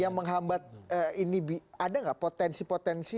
yang menghambat ini ada nggak potensi potensi